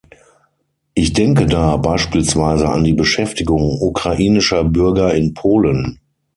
Ich denke da beispielsweise an die Beschäftigung ukrainischer Bürger in Polen.